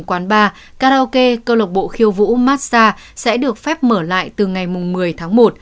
quán bar karaoke câu lộc bộ khiêu vũ massage sẽ được phép mở lại từ ngày một mươi tháng một